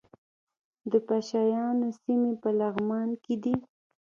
د پشه یانو سیمې په لغمان کې دي